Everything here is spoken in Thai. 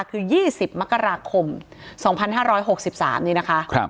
คือยี่สิบมกราคมสองพันห้าร้อยหกสิบสามนี่นะคะครับ